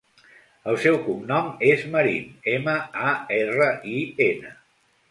El seu cognom és Marin: ema, a, erra, i, ena.